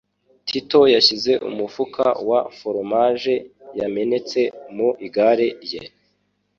Tito yashyize umufuka wa foromaje yamenetse mu igare rye